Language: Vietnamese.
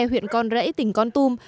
huyện con rẫy tỉnh con tôm